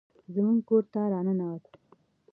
زموږ کور ته راننوت